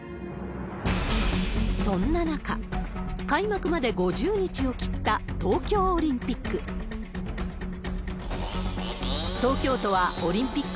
そんな中、開幕まで５０日を切った東京オリンピック。